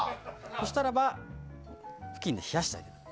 そうしたらばふきんで冷やしてあげる。